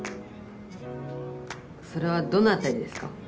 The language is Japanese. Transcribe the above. それはどの辺りですか？